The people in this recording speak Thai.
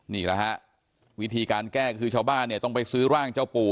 นี่แหละฮะวิธีการแก้คือชาวบ้านเนี่ยต้องไปซื้อร่างเจ้าปู่